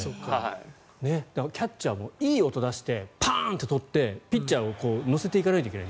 キャッチャーもいい音を出してパーン！ってとってピッチャーを乗せていかないといけない。